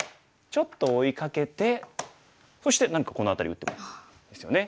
ちょっと追いかけてそして何かこの辺り打ってもいいですよね。